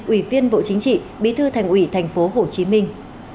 ủy viên bộ chính trị bí thư thành ủy tp hồ chí minh